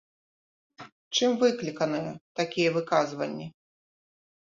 Чым выкліканыя такія выказванні?